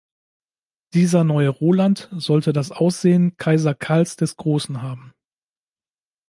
Dieser neue Roland sollte das Aussehen Kaiser Karls des Großen haben.